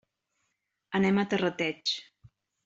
Anem a Terrateig.